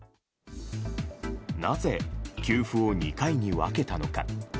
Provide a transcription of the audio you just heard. なぜ、給付を２回に分けたのか。